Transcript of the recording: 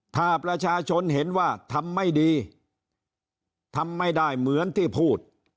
ถ้าประชาชนเห็นว่าทำไม่ดีทำไม่ได้เหมือนที่พูด